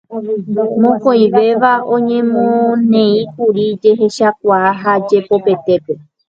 Mokõivéva oñemoneíkuri jehechakuaa ha jepopetépe.